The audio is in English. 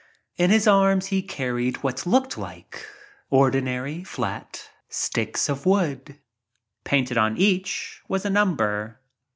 In his arms he looked like ordinary flat sticks of wood. Painted on each one was a number.